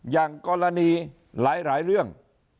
อย่างกรณีหลายเรื่อง